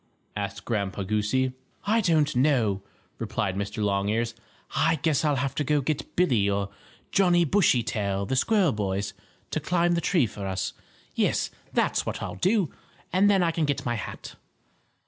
asked Grandpa Goosey. "I don't know," replied Mr. Longears. "I guess I'll have to go get Billie or Johnnie Bushytail, the squirrel boys, to climb the tree for us. Yes, that's what I'll do; and then I can get my hat."